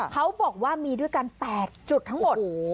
เขาบอกว่ามีด้วยกัน๘จุดทั้งหมด